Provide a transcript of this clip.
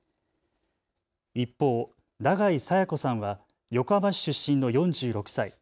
一方、永井紗耶子さんは横浜市出身の４６歳。